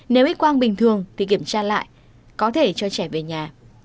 nếu ít quang bình thường thì kiểm tra lại có thể cho trẻ về nhà